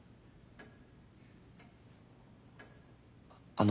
あの。